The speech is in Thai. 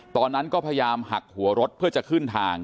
ตอนนั้นก็พยายามหักหัวรถเพื่อจะขึ้นทาง